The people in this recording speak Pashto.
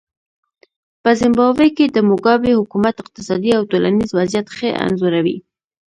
په زیمبابوې کې د موګابي حکومت اقتصادي او ټولنیز وضعیت ښه انځوروي.